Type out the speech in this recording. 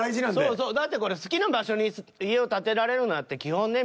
そうそうだってこれ好きな場所に家を建てられるなんて基本ね